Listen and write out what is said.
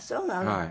はい。